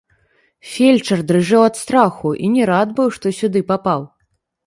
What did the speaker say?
Фельчар дрыжэў ад страху і не рад быў, што сюды папаў.